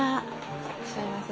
いらっしゃいませ。